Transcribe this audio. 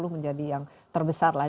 menjadi yang terbesar lah